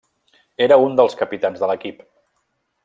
Era un dels capitans de l'equip.